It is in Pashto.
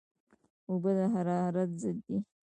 اوبه د حرارت ضد دي